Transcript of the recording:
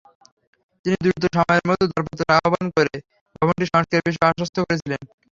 তিনি দ্রুত সময়ের মধ্যে দরপত্র আহ্বান করে ভবনটি সংস্কারের বিষয়ে আশ্বস্ত করেছিলেন।